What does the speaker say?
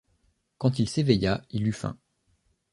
Quand il s’éveilla, il eut faim.